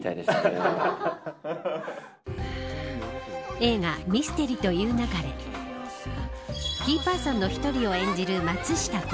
映画、ミステリと言う勿れキーパーソンの一人を演じる松下洸